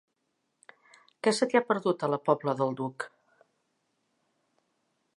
Què se t'hi ha perdut, a la Pobla del Duc?